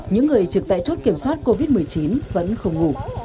những người trực tại chốt kiểm soát covid một mươi chín vẫn không ngủ